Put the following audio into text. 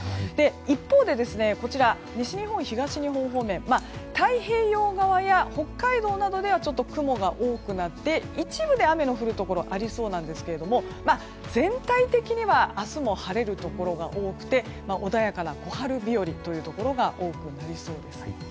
一方で西日本、東日本方面太平洋側や北海道などでは、雲が多くなって一部で雨が降るところ多くなりそうなんですが全体的には明日も晴れるところが多くて穏やかな小春日和というところが多くなりそうです。